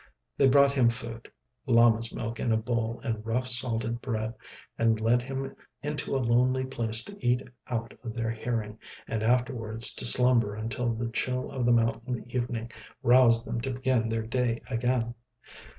They brought him food, llama's milk in a bowl and rough salted bread, and led him into a lonely place to eat out of their hearing, and afterwards to slumber until the chill of the mountain evening roused them to begin their day again.